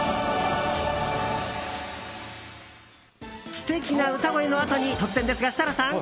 素敵な歌声のあとに突然ですが、設楽さん。